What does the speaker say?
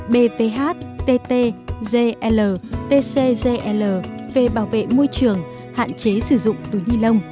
bvhttgltcgl về bảo vệ môi trường hạn chế sử dụng túi nhi lông